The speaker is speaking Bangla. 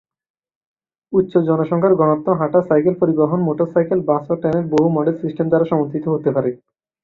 উচ্চ জনসংখ্যার ঘনত্ব হাঁটা, সাইকেল পরিবহন, মোটরসাইকেল, বাস এবং ট্রেনের বহু মডেল সিস্টেম দ্বারা সমর্থিত হতে পারে।